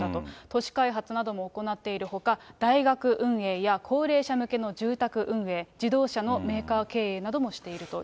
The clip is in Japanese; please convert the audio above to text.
都市開発なども行っているほか、大学運営や高齢者向けの住宅運営、自動車のメーカー経営などもしていると。